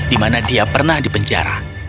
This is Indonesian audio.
di mana dia pernah dipenjara